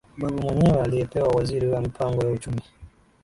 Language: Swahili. Babu mwenyewe aliyepewa uwaziri wa Mipango ya Uchumi